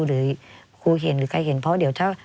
หรือครูเห็นหรือใครเห็นเพราะเดี๋ยวถ้า